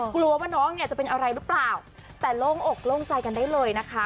กลัวว่าน้องเนี่ยจะเป็นอะไรหรือเปล่าแต่โล่งอกโล่งใจกันได้เลยนะคะ